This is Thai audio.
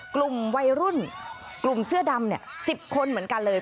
กลุ่มวัยรุ่นกลุ่มเสื้อดำ๑๐คนเหมือนกันเลย